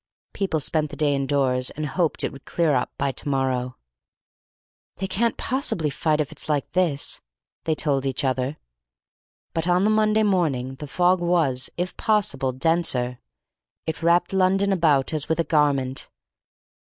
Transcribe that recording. People spent the day indoors and hoped it would clear up by tomorrow. "They can't possibly fight if it's like this," they told each other. But on the Monday morning the fog was, if possible, denser. It wrapped London about as with a garment.